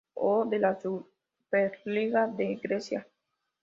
O. de la Superliga de Grecia.